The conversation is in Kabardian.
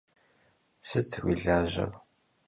Sıt vui lajer?